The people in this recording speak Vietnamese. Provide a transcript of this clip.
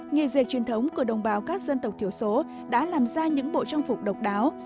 nghề dệt truyền thống của đồng bào các dân tộc thiểu số đã làm ra những bộ trang phục độc đáo